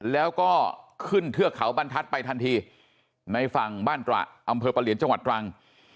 แล้วก็ขึ้นเทือกเขาบรรทัศน์ไปทันทีในฝั่งบ้านตระอำเภอปะเหลียนจังหวัดตรัง